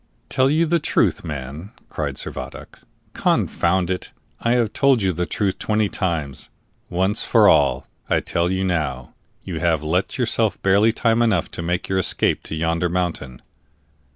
"Tell you the truth, man!" cried Servadac. "Confound it, I have told you the truth twenty times. Once for all, I tell you now, you have left yourself barely time enough to make your escape to yonder mountain."